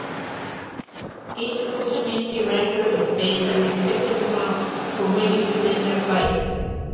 Each Fukamichi ranker is paid a respective amount for winning within their fight.